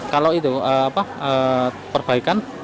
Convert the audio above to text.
kalau itu apa perbaikan